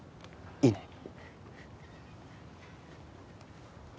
いいね？